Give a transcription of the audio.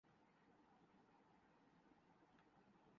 میری گہری دوستیاں تلہ گنگ میں ہیں۔